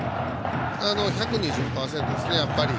１２０％ですね。